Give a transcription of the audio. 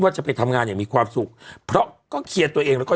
จะไปทำงานอย่างมีความสุขเพราะก็เคลียร์ตัวเองแล้วก็